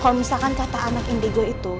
kalau misalkan kata anak intigo itu